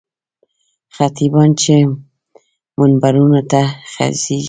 خطیبان چې منبرونو ته خېژي.